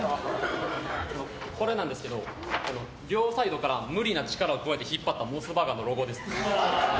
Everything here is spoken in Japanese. これなんですけど両サイドから無理な力を加えて引っ張ったモスバーガーのロゴです。